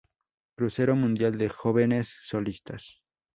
Crucero mundial de Jóvenes Solistas.